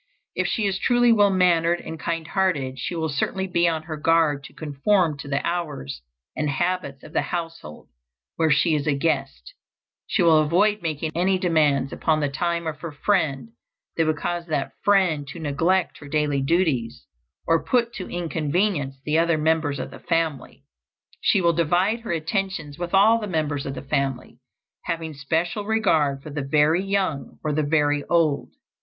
If she is truly well mannered and kind hearted she will certainly be on her guard to conform to the hours and habits of the household where she is a guest; she will avoid making any demands upon the time of her friend that would cause that friend to neglect her daily duties or put to inconvenience the other members of the family. She will divide her attentions with all the members of the family, having special regard for the very young or the very old.